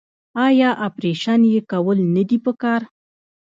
او اپرېشن ئې کول نۀ دي پکار -